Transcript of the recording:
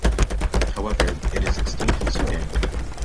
However, it is extinct in Sudan.